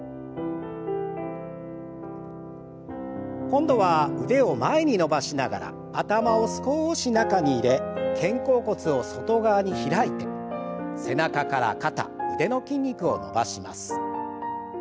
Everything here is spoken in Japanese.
今度は腕を前に伸ばしながら頭を少し中に入れ肩甲骨を外側に開いて背中から肩腕の筋肉を伸ばします。